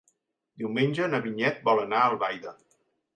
Diumenge na Vinyet vol anar a Albaida.